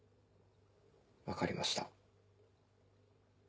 分かりました。